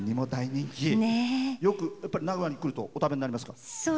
よく名古屋に来るとお食べになりますか？